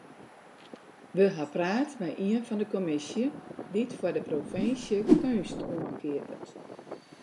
We ha praat mei ien fan de kommisje dy't foar de provinsje keunst oankeapet.